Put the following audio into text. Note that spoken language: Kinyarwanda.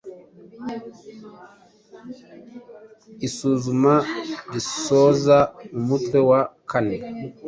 Isuzuma risoza umutwe wa kane